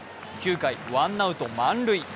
９回ワンアウト満塁。